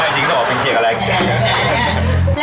ไปทิ้งหน่อเป็นเกลียดอะไร